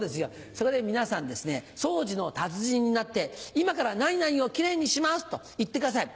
そこで皆さんですね掃除の達人になって「今から何々をキレイにします」と言ってください。